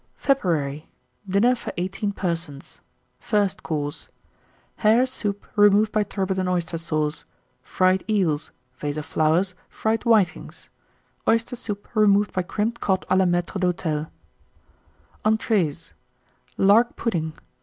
FEBRUARY. 1909. DINNER FOR 18 PERSONS. First Course. Hare Soup, removed by Turbot and Oyster Sauce. Fried Eels. Vase of Fried Whitings. Flowers. Oyster Soup, removed by Crimped Cod à la Maître d'Hôtel. Entrées. Lark Pudding.